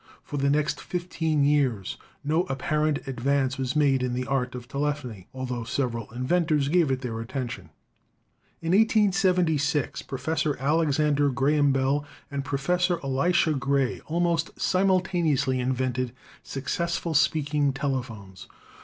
For the next fifteen years no apparent advance was made in the art of tele phony, altho several inventors gave it their attention. In 1876 Professor Alexander Graham Bell and Pro fessor Elisha Gray almost simultaneously invented suc cessful speaking telephones.